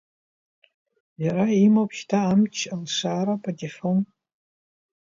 Иара имоуп шьҭа амч, алшара, апатефон…